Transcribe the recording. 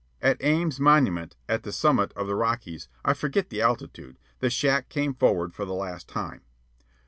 At Ames' Monument, at the summit of the Rockies, I forget the altitude, the shack came forward for the last time.